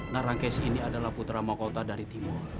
narangkes ini adalah putra makota dari timur